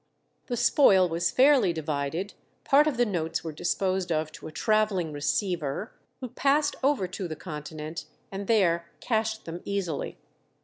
The spoil was fairly divided; part of the notes were disposed of to a travelling "receiver," who passed over to the Continent and there cashed them easily.